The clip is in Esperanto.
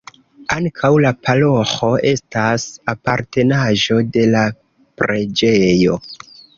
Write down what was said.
Ankaŭ la paroĥo estas apartenaĵo de la preĝejo.